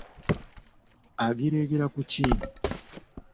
Agireegera ku ki?